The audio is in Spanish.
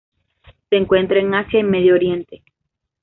Se encuentra en Asia y Medio Oriente.